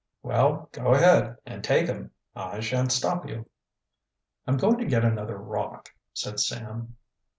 "Well, go ahead and take 'em I shan't stop you." "I'm going to get another rock," said Sam.